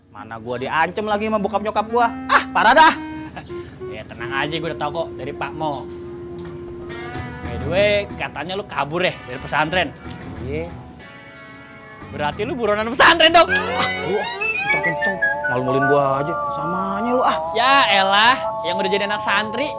yang udah jadi anak santri